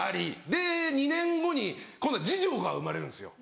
で２年後に今度次女が生まれるんですよ。